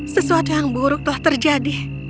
sesuatu yang buruk telah terjadi